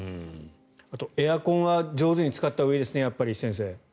あとはエアコンは上手に使ったほうがいいですね。